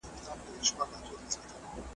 هغه وويل چی کلتوري پرمختګ د ټولني بنسټ دی.